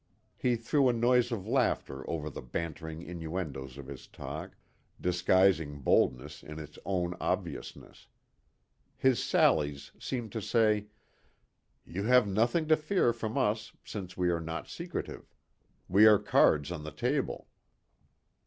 He threw a noise of laughter over the bantering innuendoes of his talk, disguising boldness in its own obviousness. His sallies seemed to say, "You have nothing to fear from us since we are not secretive. We are cards on the table."